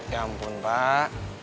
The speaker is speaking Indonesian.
ya ampun pak